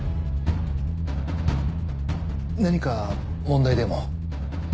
何か問題でも？